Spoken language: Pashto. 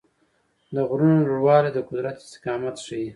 د غرونو لوړوالی د قدرت استقامت ښيي.